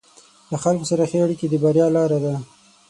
له خلکو سره ښه اړیکې د بریا لاره ده.